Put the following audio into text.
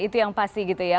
itu yang pasti gitu ya